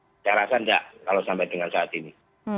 saya rasa tidak kalau sampai dengan saat ini